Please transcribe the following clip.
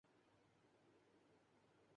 بستر کے درمیان گزرتی ہے